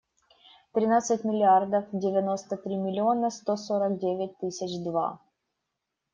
Тринадцать миллиардов девяносто три миллиона сто сорок девять тысяч два.